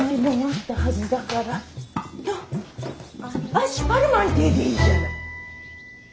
アッシ・パルマンティエでいいじゃない！